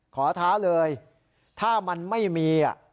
ท้าเลยถ้ามันไม่มี